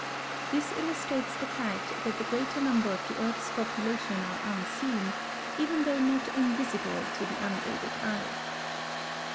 This illustrates the fact that the greater number of the earth's population are unseen, even though not invisible to the unaided eye.